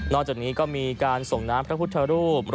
จากนี้ก็มีการส่งน้ำพระพุทธรูป